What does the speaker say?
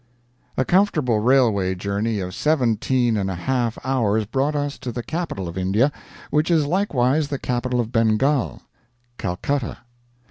A comfortable railway journey of seventeen and a half hours brought us to the capital of India, which is likewise the capital of Bengal Calcutta.